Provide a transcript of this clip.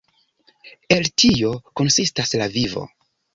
El tio konsistas la vivo.